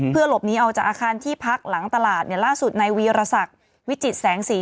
เพื่อหลบหนีออกจากอาคารที่พักหลังตลาดเนี่ยล่าสุดในวีรศักดิ์วิจิตแสงสี